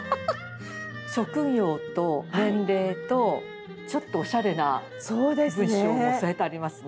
職業と年齢とちょっとおしゃれな文章も添えてありますね。